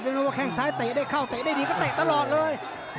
ว่าแข้งซ้ายเตะได้เข้าเตะได้ดีก็เตะตลอดเลย